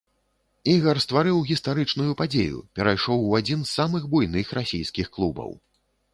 Ігар стварыў гістарычную падзею, перайшоў у адзін з самых буйных расійскіх клубаў.